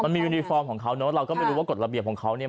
มียูนิฟอร์มของเขาเนอะเราก็ไม่รู้ว่ากฎระเบียบของเขาเนี่ย